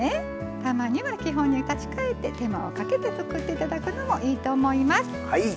たまには基本に立ち返って手間をかけてみて作っていただくのもいいと思います。